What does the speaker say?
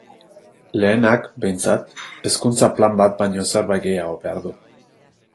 Lehenak, behintzat, Hezkuntza Plan bat baino zerbait gehiago behar du.